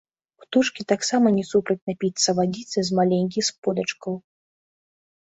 Птушкі таксама не супраць напіцца вадзіцы з маленькіх сподачкаў.